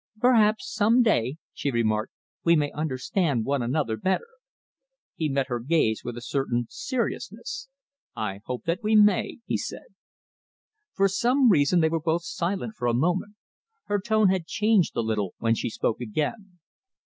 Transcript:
"Perhaps some day," she remarked, "we may understand one another better." He met her gaze with a certain seriousness. "I hope that we may," he said. For some reason they were both silent for a moment. Her tone had changed a little when she spoke again.